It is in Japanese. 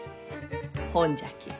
ほんじゃき